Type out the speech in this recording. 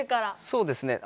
そうですね。